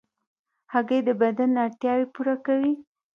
هګۍ د بدن اړتیاوې پوره کوي.